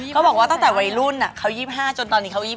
เขาบอกว่าตั้งแต่วัยรุ่นเขา๒๕จนตอนนี้เขา๒๕